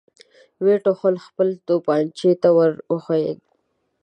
ويې ټوخل، خپلې توپانچې ته ور وښويېد.